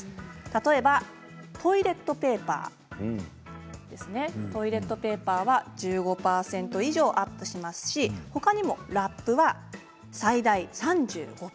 例えばトイレットペーパーですねトイレットペーパーは１５％以上アップしますし他にもラップは最大３５％。